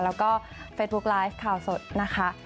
แล้วก็เฟซบุ๊กไลฟ์ข่าวสดนะคะ